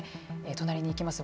隣に行きます。